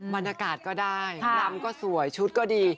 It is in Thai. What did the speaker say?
บรรยากาศก็ได้รำก็สวยชุดก็ดี